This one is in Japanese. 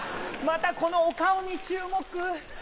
またこのお顔に注目。